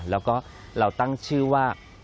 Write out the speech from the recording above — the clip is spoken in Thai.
แล้วก็เราตั้งชื่อว่า